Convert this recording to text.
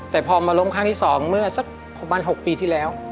แต่พอมาล้มครั้งที่๒เมื่อสักประมาณ๖ปีที่แล้ว